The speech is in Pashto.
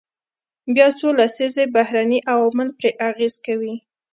بیا څو لسیزې بهرني عوامل پرې اغیز کوي.